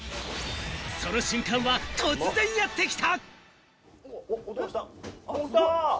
その瞬間は突然やってきた！